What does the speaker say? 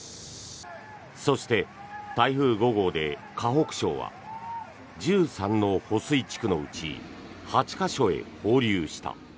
そして、台風５号で河北省は１３の保水地区のうち８か所へ放流した。